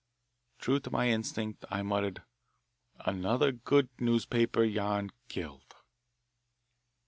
True to my instinct I muttered, "Another good newspaper yarn killed."